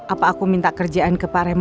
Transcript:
apa aku minta kerjaan ke paremo